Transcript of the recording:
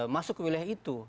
masuk kewilayah itu